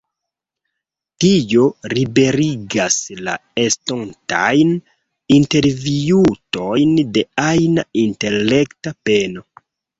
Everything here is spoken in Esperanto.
Tio liberigas la estontajn intervjuotojn de ajna intelekta peno.